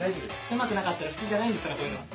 狭くなかったら普通じゃないんですからこういうのは。